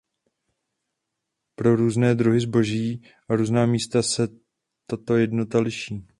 Pro různé druhy zboží a různá místa se tato jednotka liší.